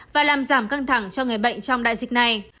và làm giảm căng thẳng cho người bệnh trong đại dịch này